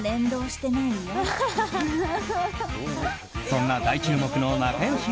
そんな大注目の仲良し